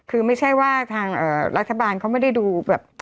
คือไม่ใช่ว่าทางรัฐบาลเขาไม่ได้ดูแบบ